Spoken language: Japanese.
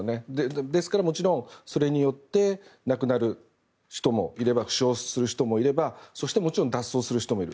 ですから、もちろんそれによって亡くなる人もいれば負傷する人もいればもちろん脱走する人もいる。